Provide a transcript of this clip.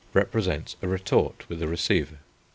89, represents a retort with a receiver.